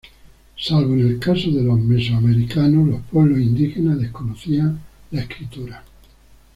Salvo en el caso de los mesoamericanos, los pueblos indígenas desconocían la escritura.